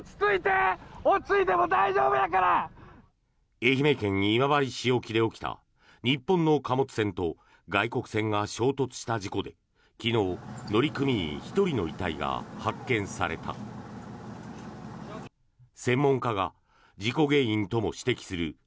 愛媛県今治市沖で起きた日本の貨物船と外国船が衝突した事故で昨日、乗組員１人の遺体がピックアップＮＥＷＳ堂さんです。